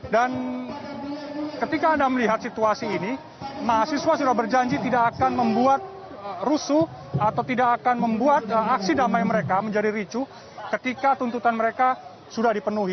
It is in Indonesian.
dan ketika anda melihat situasi ini mahasiswa sudah berjanji tidak akan membuat rusuh atau tidak akan membuat aksi damai mereka menjadi ricu ketika tuntutan mereka sudah dipenuhi